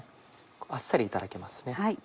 あっさりいただけますね。